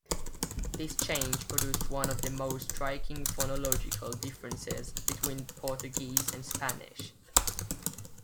This change produced one of the most striking phonological differences between Portuguese and Spanish.